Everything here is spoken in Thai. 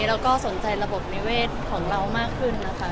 แล้วก็สนใจระบบนิเวศของเรามากขึ้นนะคะ